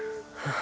あ。